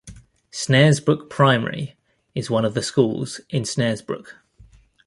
Snaresbrook Primary is one of the schools in Snaresbrook.